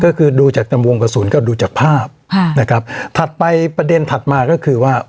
ก็คือดูจากตำวงกระสุนก็ดูจากภาพค่ะนะครับถัดไปประเด็นถัดมาก็คือว่า